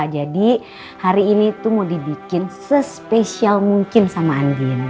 jadi hari ini tuh mau dibikin sespesial mungkin sama andin